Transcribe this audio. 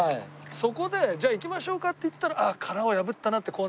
そこでじゃあ行きましょうかって言ったらああ殻を破ったなってこうなるのよ。